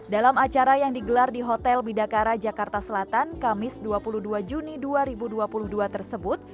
dalam acara yang digelar di hotel bidakara jakarta selatan kamis dua puluh dua juni dua ribu dua puluh dua tersebut